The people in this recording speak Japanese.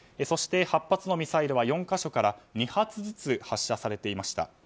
８発のミサイルは４か所から２発ずつ発射されていました。